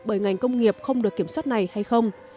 bởi ngành công nghiệp không được kiểm soát này hay không